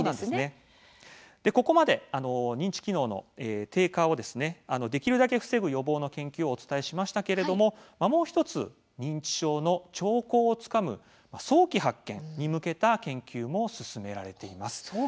ここまで認知機能の低下をできるだけ防ぐ予防の研究お伝えしましたけれどももう１つ認知症の兆候をつかむ早期発見に向けた研究も進められています。